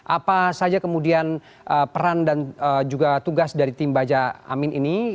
apa saja kemudian peran dan juga tugas dari tim baja amin ini